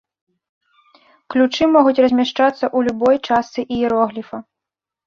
Ключы могуць размяшчацца ў любой частцы іерогліфа.